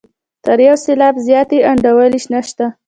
تر یو سېلاب زیاته بې انډولي نشته.